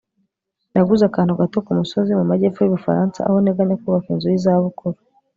Naguze akantu gato kumusozi mu majyepfo yUbufaransa aho nteganya kubaka inzu yizabukuru